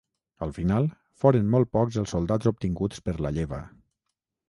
Al final, foren molt pocs els soldats obtinguts per la lleva.